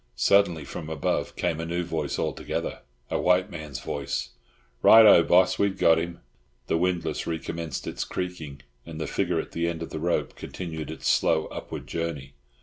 Suddenly from above came a new voice altogether, a white man's voice. "Right oh, boss! We've got him." The windlass recommenced its creaking, and the figure at the end of the rope continued its slow, upward journey.